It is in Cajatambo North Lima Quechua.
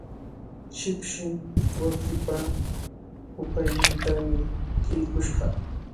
Shipshi wawqiipa hupaynintami rirqush kaa.